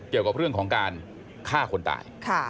เกี่ยวกับเรื่องของการฆ่าคนตาย